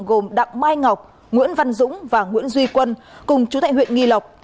gồm đặng mai ngọc nguyễn văn dũng và nguyễn duy quân cùng chú tại huyện nghi lộc